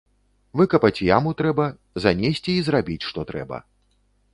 Выкапаць яму трэба, занесці і зрабіць што трэба.